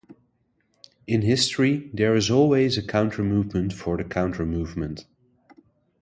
In history, there is always a counter movement for the counter movement.